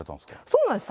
そうなんです。